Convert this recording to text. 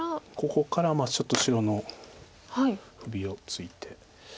ここからちょっと白の不備をついて。